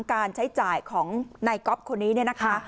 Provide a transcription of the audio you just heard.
การใช้จ่ายของนายก๊อฟคนนี้เนี่ยนะคะ